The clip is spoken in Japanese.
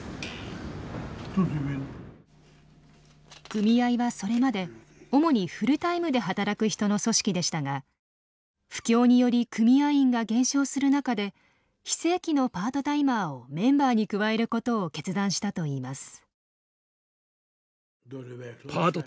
組合はそれまで主にフルタイムで働く人の組織でしたが不況により組合員が減少する中で非正規のパートタイマーをメンバーに加えることを決断したといいます。